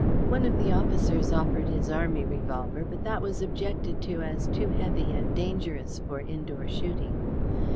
One of the officers offered his army revolver, but that was objected to as too heavy and dangerous for indoor shooting.